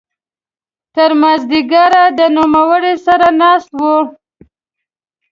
تر ماذیګره د نوموړي سره ناست وو.